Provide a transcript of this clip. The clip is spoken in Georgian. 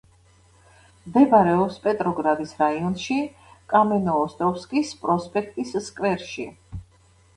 მდებარეობს პეტროგრადის რაიონში, კამენოოსტროვსკის პროსპექტის სკვერში.